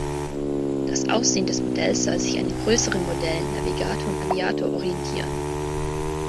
Das Aussehen des Modells soll sich an den größeren Modellen Navigator und Aviator orientieren.